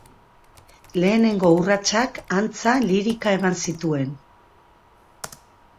Lehenengo urratsak, antza, lirika eman zituen.